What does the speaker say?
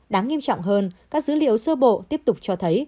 đáng nghiêm trọng hơn các dữ liệu sơ bộ tiếp tục cho thấy